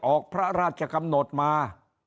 ออกพระราชกำหนดมา